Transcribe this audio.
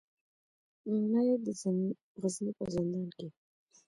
مې د غزني په زندان کې.